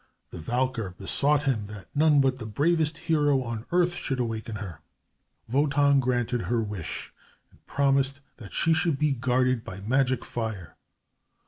The Valkyr besought him that none but the bravest hero on earth should awaken her. Wotan granted her wish, and promised that she should be guarded by magic fire.